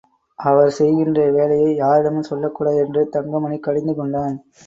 அவர் செய்கின்ற வேலையை யாரிடமும் சொல்லக் கூடாது என்று தங்கமணி கடிந்துகொண்டான்.